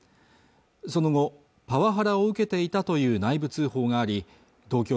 その後パワハラを受けていたという内部通報があり東京